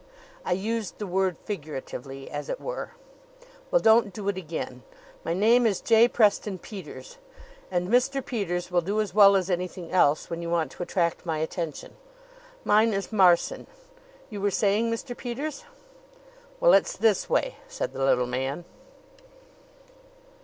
"I used the word figuratively, as it were." "Well, don't do it again. My name is J. Preston Peters, and Mr. Peters will do as well as anything else when you want to attract my attention." "Mine is Marson. You were saying, Mr. Peters ?" "Well, it's this way," said the little man.